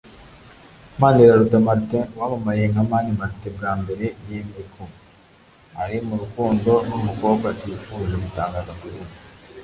Maniraruta Martin wamamaye nka Mani Martin bwa mbere yemeko ari mu rukundo n’umukobwa atifuje gutangaza amazina